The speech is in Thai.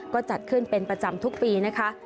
ก็จัดขึ้นเป็นประจำทุกปีนะคะ